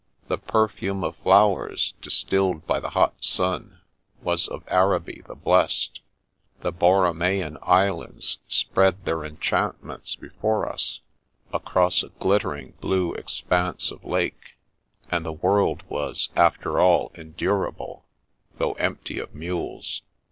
The perfume of flowers, distilled by the hot sun, was of Araby the Blest; the Borromean Islands spread their enchantments before us, across a glittering blue expanse of lake, and the world was after all endurable, though empty of mules.